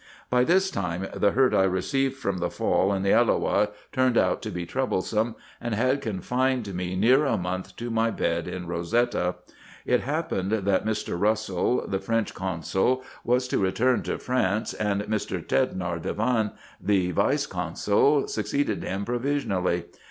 By this time, the hurt I received from the fall in the Elloah turned out to be troublesome, and had confined me near a month IN EGYPT, NUBIA, Sec. 485 to my bed in Rosetta. It happened that Mr. Eussel, the French consul, was to return to France, and Mr. Tednar Divan, the vice consul, succeeded him provisionally.